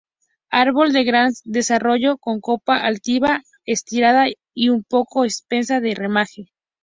Árbol de gran desarrollo, con copa altiva estirada y poco espesa de ramaje.